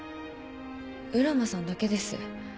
浦真さんだけです。